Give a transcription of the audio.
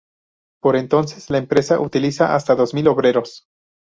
Por entonces, la empresa utiliza hasta dos mil obreros.